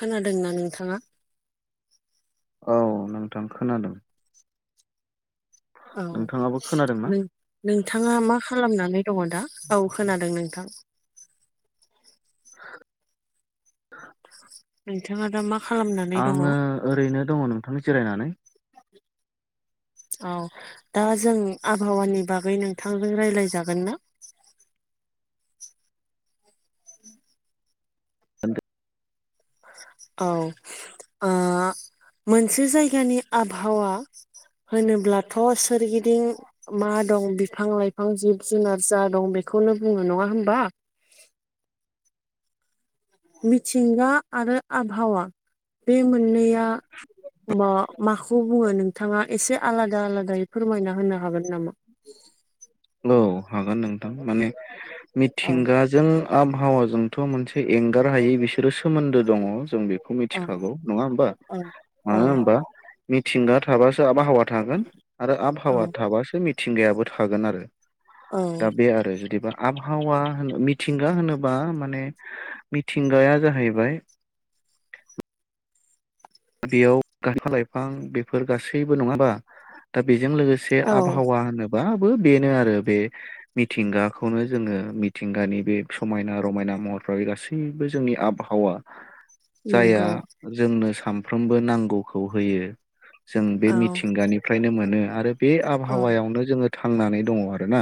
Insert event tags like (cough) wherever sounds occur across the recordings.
खोनादोंना नोंथाङा? औ नोंथां खोनादों। औ नोंथाङाबो खोनादों ना नों नोंथाङा मा खालामनानै दङ दा औ खोनादों नोंथां। (inaudible) नोंथाङा दा मा खालामनानै दङ? आङो ओरैनो दङ नोंथांनि जिरायनानै। औ दा जों आबहावानि बागै नोंथांजों रायज्लायजागोन ना? (inaudible) औ मोनसे जायगानि आबहावा होनोब्लाथ' सोरगिदिं मा दं बिफां लाइफां जिब जुनार जा दं बे बेखौनो बुङो नङा हबा मिथिंगा आरो आबहावा बे मोननैया (inaudible) होमबा माखौ बुङो नोंथाङा एसे आलादा आलादायै फोरमायना होनो हागोन नामा? (inaudible) औ हागोन नोंथां माने औ मिथिंगाजों आबहावा जोंथ' मोनसे एंगार हायै बिसोरो सोमोन्दो दङ जों बेखौ औ मिथिखागौ नङा होमबा? औ औ मानो होमबा मिथिंगा थाबासो आबहावा थागोन आरो आबहावा औ थाबासो मिथिंगायाबो थागोन आरो औ दा बे आरो जुदिबा आबहावा होन मिथिंगा होनोबा माने मिथिंगाया जाहैबाय (inaudible) (inaudible) बेजों लोगोसे औ आबहावा होनो बाबो बेनो आरो बे मिथिंगाखौनो जोङो मिथिंगानि बे समायना रमायना महरफ्रा बे गासैबो जोंनि आबहावा जायहा नंगौ जोंनो सामफ्रोमबो नांगौखौ होयो जों बे औ मिथिंगानिफ्रायनो मोनो आरो बे औ आबहावायावनो जोङो थांनानै दङ आरो ना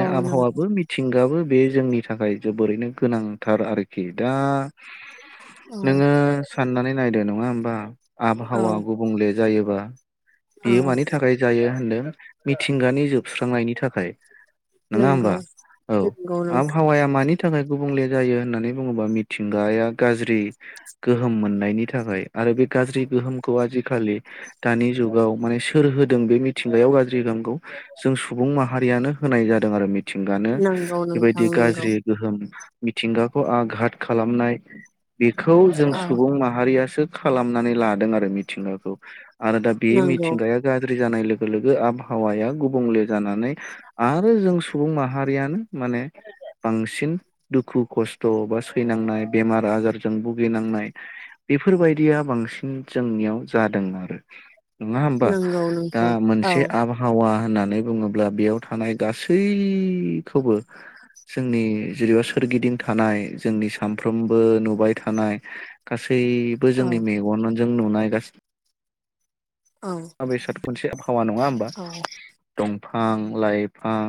औ नंगौ आबहावाबो मिथिंगाबो बे जोंनि थाखाय जोबोरैनो गोनांथार आरोखि दा नोङो साननानै नायदो नङा होमबा औ आबहावा गुबुंले जायोबा औ बियो मानि थाखाय जायो होनदों मिथिंगानि जोबस्रांनायनि थाखाय नङा होमबा नंगौ औ नंगौ आहावाया मानि थाखाय गुबुंले जायो होननानै बुङोबा मिथिंगाया गाज्रि गोहोम मोननायनि थाखाय आरो बे गाज्रि गोहोमखौ आजिखालि दानि जुगाव माने सोर होदों बे मिथिंगायाव गाज्रि गोहोम मखौ जों सुबुं माहारियानो होनाय जादों आरो मि थिंगानो नोंथां नंगौ नोंथां बेबायदि नंगौ गाज्रि गोहोम मिथिंगाखौ आघात खालामनाय बेखौ जों औ सुबुं माहारिया खालामनानै लादों आरो मिथिंगाखौ आरो दा बे नंगौ मिथिंगाया जादों जानाय लोगो लोगो आबहावाया गुबुंले जानानै आरो जों सुबुं माहारियानो मा ने बांसिन दुखु खस्थ' बा सैनांनाय बेमार आजारजों भुगिनांनाय बेफोरबायदिया बांसिन जोंनियाव जादों आरो नङा होमबा नंगौ दा नोंथां औ मोनसे आबहावा होननानै बुङोब्ला बेयाव थानाय गासैखौबो जोंनि जेनेबा सोरगिदिं थानाय जोंनि सामफ्रोमबो नुबाय थानाय गासै बो औ जोंनि मेगनजों नुनाय गासै औ मुवा बेसाद खनसे आबहावा नङा होमबा औ दं फां लाइफां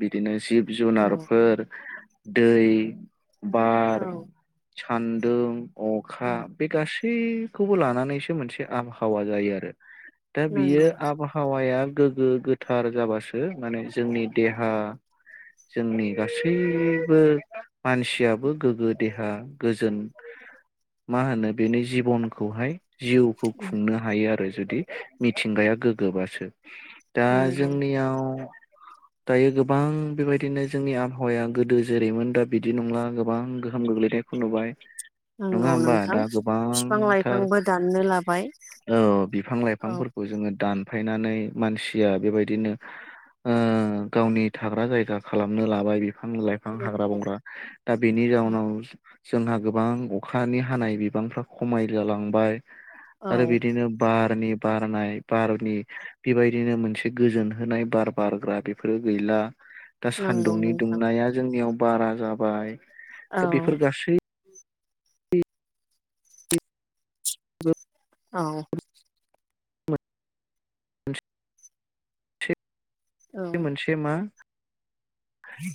बिदिनो जिब औ जुनारफोर दै बार औ सान्दुं औ अखा बे गास सैखौबो लानानैसो मोनसे आबहावा जायो आरो दा बियो नंगौ आबहावाया गोगो गोथार जाबासो माने जोंनि देहा जोंनि गासैबो मानसियाबो गोगो देहा गोजोन मा होनो बेनि जिबनखौहाय जिउखौ खुंनो हायो आरो जुदि मिथिंगाया गोगोबासो दा नंगौ जोंनियाव (inaudible) दायो गोबां बेबायदिनो जोंनि आबहावाया गोदो जेरैमोन दा बिदि नंला गोबां गोहोम गोग्लैदों नुबाय नङा नंगौ होमबा नोंथां दा बिफां गोबांथार लाइफांबो दाननो लाबाय औ बिफां औ लाइफांफोरखौ जोङो दानफायनानै मानसिया बेबायदिनो ओ गावनि थाग्रा जायगा खालामनो लाबाय बे फां लाइफां हाग्रा बंग्रा दा बेनि जाउनाव जोंना गोबां अखानि हानाय बिबांफ्रा खमाय जालांबाय औ आरो बिदिनो बारनि बारनाय बारनि बेबायदिनो मोनसे गोजोन होनाय बार बारग्रा बेफोरो गैला दा नंगौ सान्दुंनि नोंथां दुंनाया जोंनियाव बारा जाबाय औ दा बेफोर गासै औ (unintelligible) औ बे मोनसे मा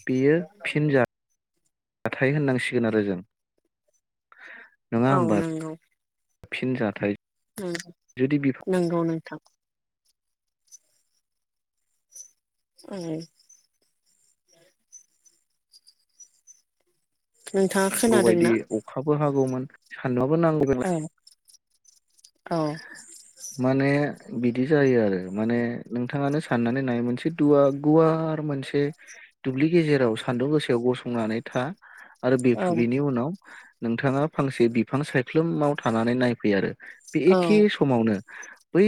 बियो फिनजा थाइ होननांसिगोन आरो जों नङा औ होमबा नोंगौ फिन जाथाय उम जुदि बिफां नोंगौ नोंथां ओम नोंथाङा गौबायदि खोनादोंना? अखाबो हागौमोन सान्दुआबो नांगौ औ बेलाय औ माने बिदि जायो आरो माने नोंथाङानो साननानै नाय मोनसे दुवा गुवार मोनसे दुब्लि गेजेराव सान्दुं गोसायाव गसंनानै था आरो बे बेनि उनाव नोंथाङा फांसे बिफां सायख्लुमाव थानानै नायफै आरो बे औ एखे समावनो बै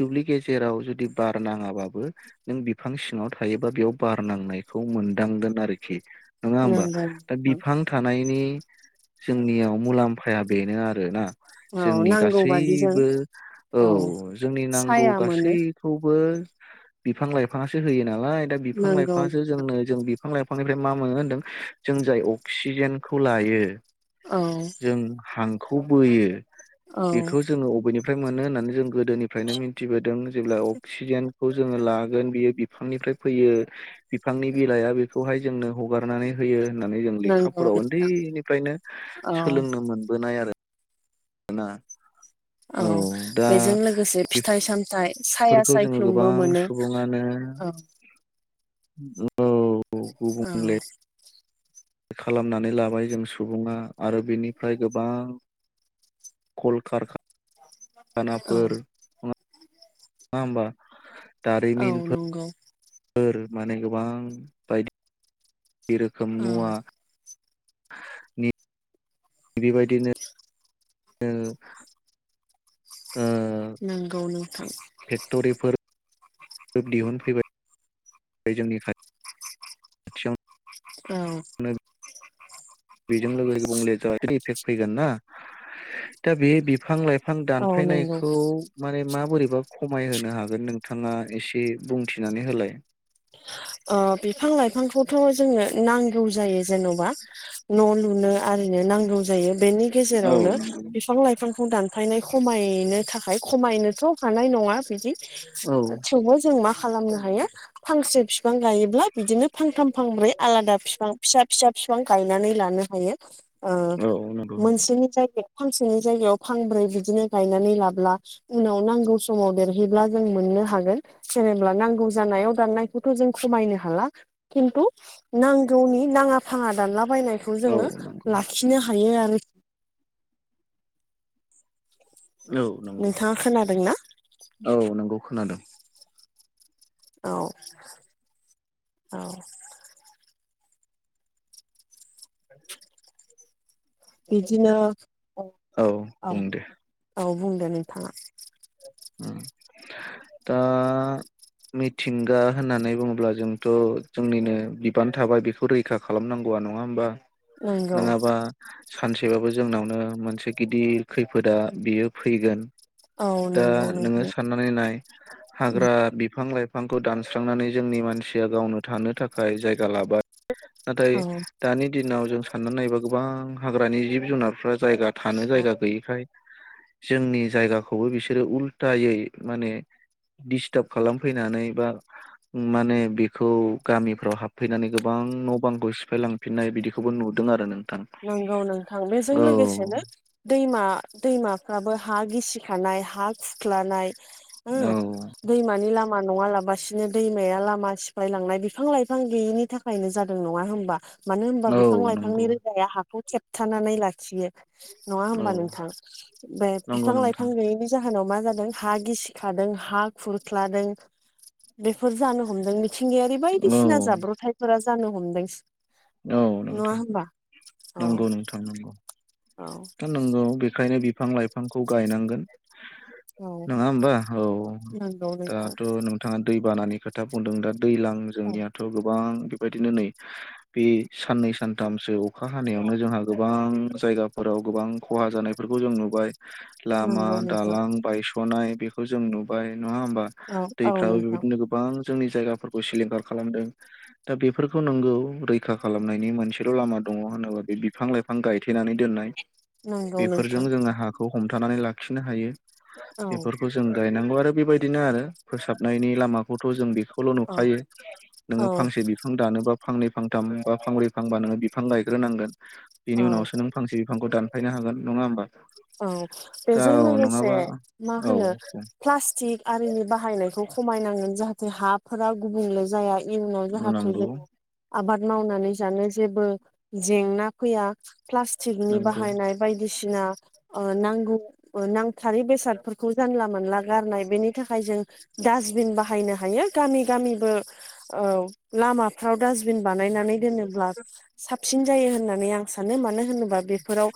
दुब्लि गेजेराव जुदि बार नाङाबाबो नों बिफां सिङाव थायोबा बेयाव बारनांनायखौ मोनदांगोन आरोखि नङाहोमबा नंगौ दा नोंथां बिफां थानायनि जोंनियाव मुलाम्फाया बेनो आरोना औ नांगौ बादि जों सैबो औ जोंनि नांगौ साया मोनो गासैखौबो बिफां लाइफांयासो होयो नालाय दा बिफां नंगौ लाइफांयासो नोंथां जोंनो जों बि फां लाइफांनिफ्राय मा मोनो होनदों जों जाय अक्सिजेनखौ लायो औ जों हांखौ बोयो औ बेखौ जोङो अबेनिफ्राय मोनो होननानै जों गोदोनिफ्रायनो मिथिबोदों जेब्ला अक्सिजेन खौ जोङो लागोन बियो बिफांनिफ्राय फैयो बिफांनि बिलाइआ बेखौहाय जोंनो हगारनानै होयो होननानै जों नंगौ लेखाफोराव नोंथां उन्दैनिफ्रायनो औ सोलोंनो मोनबोनाय आरो ना औ बेजों लोगोसे फिथाइ सामथाइ साया बेफोरखौ जोङो सायख्लुमबो गोबां मोनो सुबुङानो औ औ गुबुंले औ खालामनानै लाबाय जों सुबुङा आरो बिनिफ्राय गोबां कल औ कारखानाफोर नङा होनबा औ नंगौ फोर माने गोबां बायदि बे रोखोम औ मुवा नि बेबायदिनो ओ नोंगौ नोंथां फेक्ट'रिफोर दिहुनफैबाय जोंनि खा इयावनो औ बेजों लोगो बुंले जानायनि इफेक्ट फैगोन ना दा बे बिफां लाइफां आं औ नंगौ दानफायनायखौ माने माबोरै एबा खमायहोनो हागोन नोंथाङा एसे बुंथिनानै होलाय। ओ बिफां लाइफांखौथ' जोङो नांगौ जायो जेन'बा न' लुनो आ रिनो नांगौ जायो बेनि औ गेजेरावनो बिफां लाइफां खौ दानफायनाय खमायनो थाखाय खमायनोथ' हानाय नङा बिदि। थेवबो जों मा खालामनो हायो फांसे बि बिफां गायोब्ला बिदिनो फांथाम फांब्रै आलादा बिफां फिसा फिसा बिफां गायनानै लानो हायो ओ औ नंगौ मोनसेनि जायगायाव फांसेनि जायगायाव फांब्रै बिदिनो गायनानै लाब्ला उनाव नांगौ समाव देरहैब्ला जों मोनो नो हागोन जेनेब्ला नांगौ जानायाव दाननायखौ जों खमायनो हाला खिनथु नांगौनि नाङा फाङा दानला बायनायखौ औ जोङो नंगौ लाखिनो हायो आरो औ नंगौ नोंथाङा खोनादोंना औ नंगौ खोनादों। औ औ। (inaudible) बिदिनो औ बुं दे। औ बुंदो नोंथाङा। उम दा मिथिंगा होननानै बुङोब्ला जोंथ' जोंनिनो बिबान थाबाय बेखौ रैखा खालाम नांगौ नङा हमबा नंगौ नङाबा सानसेबाबो जोंनावनो मोनसे गिदिर खैफोदा बियो फैगोन। औ दा नंगौ नोङो नोंथां साननानै नाय (inaudible) हाग्रा बिफां लाइफांखौ दानस्रांनानै जोंनि मानसिया गावनो थानो थाखाय जायगा लाबाय। नाथाय औ दानि दिनाव जों साननानै नायोबा गोबां हाग्रानि जिब जुनारफ्रा जायगा थानो जायगा गैयिखाय जोंनि जायगाखौबो बिसोरो उल्थायायै माने दिस्टार्ब खालामफैनानै बा माने बेखौ गामिफ्राव हाबफैनानै गोबां न' बांखौ सिफायलांफिननाय बिदिखौबो नु दों आरो नों नंगौ नोंथां बेजों लोगोसेनो दैमा दैमाफ्राबो हा गिसि खानाय हा खुख्लानाय औ दैमानि लाम मा नङालाबासिनो दैमाया लामा सिफ्लाय लांनाय बिफां लाइफां गैयिनि थाखायनो जादों नङा होमबा? मानो होनबा औ बिफां लाइफांनि नंगौ रोदाया हाखौ खेबथानानै लाखियो। नङा औ होमबा नोंथां बे नंगौ बिफां लाइफां नोंथां गैयैनि जाहो होनाव मा जादों हा गिसिखादों हा खुरख्लादों बेफोर जानो हमदों। मिथिंगायारि औ बायदिसिना जाब्रथायफोरा जानो हमदों। औ नङा नोंथां होमबा औ नंगौ नोंथां नंगौ औ दा नंगौ बेखाय नो बिफां लाइफांखौ गायनांगोन। औ नङा होमबा औ नंगौ नोंथां दाथ' नोंथाङा दै बानानि खोथ था बुंदों दा दैज्लां औ जोंनियाथ' गोबां बेबायदिनो नै बे साननै सानथामसो अखा हानायावनो जोंहा गोबां जायगाफोराव गोबां खहा जानायफोर खौ जों नुबाय लामा नंगौ नोंथां दालां बायस'नाय बेखौ जों नुबाय। नङा होमबा औ औ दैफ्राबो नोंथां बेबादिनो गोबां जोंनि जायगाफोरखौ सिलिंखार खालामदों दा बेफोरखौ नोंगौ रै खा खालामनायनि मोनसेल' लामा दङ होनोब्ला बे बिफां लाइफां गायथेनानै दोननाय। नंगौ बेफोरजों नोंथां जोङो हाखौ हमथा नानै लाखिनो हायो औ बेफोरखौ जों गायनांगौ आरो बेबायदिनो आरो फोसाबनायनि लामाखौथ' जों बेखौ खौल' औ नुखायो नोङो औ फांसे बिफां दानोबा फांनै फां थाम बा फांब्रै फांबा नो बिफां गायग्रोनांगोन बेनि औ उनावसो नों फांसे बिफांखौ दान फायनो हागोन नङा होनबा? औ बेजों लोगोसे मा औ होनो प्लास्टिक आरिनि बाहायनायखौ खमायनांगोन जाहाथे हाफोरा गुबुंले जाया इयुनाव जाहाथे नंगौ जोंङो आबाद मावनानै जानो जेबो जेंना फैया प्लास्टिकनि नंगौ बाहायनाय बायदि सिना नांगौखौ नांगौ थारै बेसादफोरखौ जानला मोनला गारनाय बेनि थाखाय जों डास्टबिन बाहायनो हायो गामि गामिबो ओ लामाफ्राव। डासबिन बानायनानै दोनोब्ला साबसिन जायो होननानै आं सानो मानो होनो बेफोराव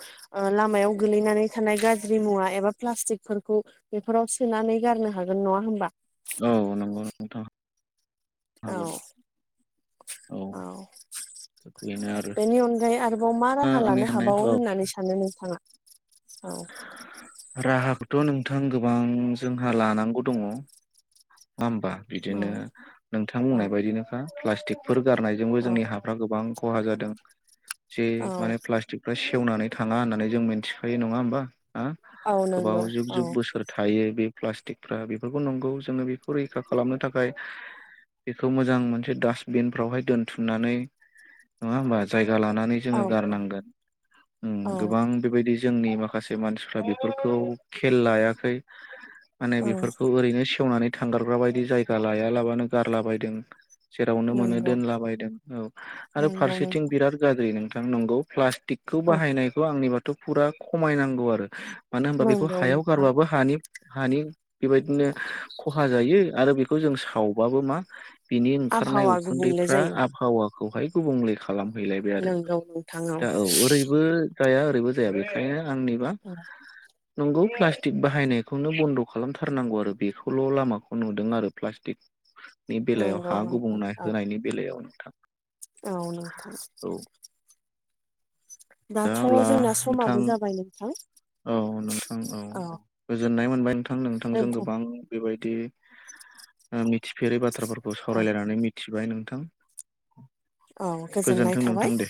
लामायाव गोलैना थानाय गाज्रि मुवा एबा प्लासटिक बेफोरखौ बेफोराव सोनानै गारनो हागोन नङा होमबा? औ नंगौ नंगौथ'। औ औ बेनो आरो बेनि अनगायै आरोबाव मा राहा आंनि लानो साननाय हाबावो औ होननानै सानो नोंथाङा? औ राहाखौथ' नोंथां गोबां जोंहा लानांगौ दङ। नङा होमबा औ बिदिनो नोंथां बुंनाय बायदिनोखा प्लास्टिकफोर गारनायजोंबो औ जोंनि हाफ्रा गोबां। खहा जादों जे औ माने प्लासटिकफोरा सेेवनानै थाङा होननानै जों मिथिखायो नङा होमबा ना औ गोबाव नंगौ जुग औ जुग बोसोर थायो बे प्लास्टिकफ्रा बेफोरखौ नंगौ जोङो बेखौ रैखा खालामनो थाखाय बेखौ मोजां मोनसे डासटबिन फ्रावहाय दोनथुमनानै नङा होमबा जाय लानानै जों औ औ गारनांगोन औ गोबां बेबायदि जोंनि माखासे मानसिफ्रा बेफोरखौ खेल लायाखै माने औ बेफोरखौ ओरैनो सेवनानै थांगारग्रा बायदि जायगा लायालाबानो गारला बायदों। जेरावनो मोनो नंगौ दोनलाबायदों औ आरो नंगौ फारसेथिं नोंथां बिराद गाज्रि नोंथां नंगौ प्लास थिकखौ औ बाहायनायखौ आंनिबाथ' फुरा खमायनांगौ आरो। मानो होनबा बेखौ नंगौ हायाव नोंथां गारबाबो हानि हानि बेबायदिनो खौ जों सावबाबो मा बिनि ओंखारनाय आबहावा गुबुंले उखुन्दैफ्रा जायो आबहावाखौहाय गुबुंलेखा खालामहैलायबाय आरो नंगौ नोंथां दा औ ओरैबो जाया ओरैबो जाया बेखायनो। आंनिबा नंगौ प्लास्टिक बाहायनायखौनो बन्द' खालामथारनांगौ आरो बेखौ सल' लामाखौ नुदों आरो प्लास्टिकनि बेलायाव नंगौ हा नोंथां गुबुंना औ होनायनि बेलायावनो। औ नोंथां। दा दाथ' अब्ला जोंना नोंथां समाबो जाबाय नोंथां औ नोंथां औ औ। गोजोननाय मोनबाय नोंथां नोंथांजों दोनथ' गोबां बेबायदि मिथिफेरै बाथ्रा। बाथ्राफोरखौ औ सावरायलायनानै मिथिबाय नोंथां। औ गोजोननाय गोजोन्थों थाबाय। नोंथां दे